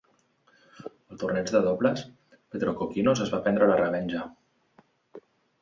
Al torneig de dobles, Petrokokkinos es va prendre la revenja.